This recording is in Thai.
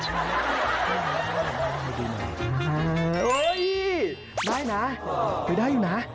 ตอนแรกคิดว่าจะเยี่ยมนะ